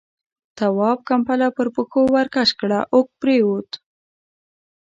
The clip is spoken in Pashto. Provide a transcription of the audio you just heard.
تواب ، کمپله پر پښو ورکش کړه، اوږد پرېووت.